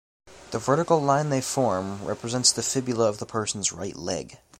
The vertical line they form represents the fibula of the person's right leg.